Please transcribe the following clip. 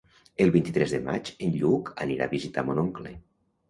El vint-i-tres de maig en Lluc anirà a visitar mon oncle.